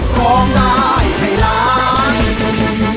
พร้อมได้ใช่ร้าน